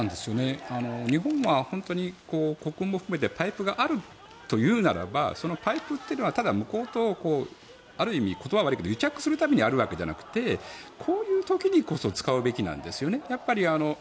日本が国軍も含めてパイプがあるというならばそのパイプというのはただ、向こうとある意味、言葉は悪いけど癒着するためにあるわけじゃなくてこういう時にこそ使うべきなんですよね。